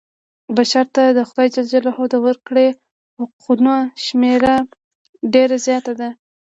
بشر ته د خدای ج د ورکړي حقونو شمېره ډېره زیاته ده.